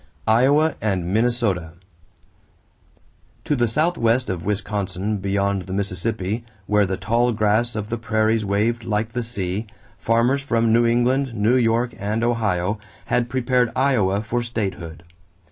=Iowa and Minnesota.= To the southwest of Wisconsin beyond the Mississippi, where the tall grass of the prairies waved like the sea, farmers from New England, New York, and Ohio had prepared Iowa for statehood.